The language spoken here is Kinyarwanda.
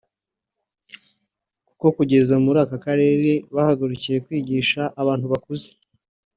kuko kugeza muri aka karere bahagurukiye kwigisha abantu bakuze